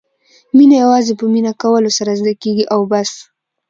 مینه یوازې په مینه کولو سره زده کېږي او بس.